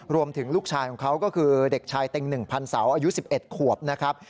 รวมถึงลูกชายคือเด็กชายเต็กหนึ่งพันสาวอายุ๑๑ขวบนะครับ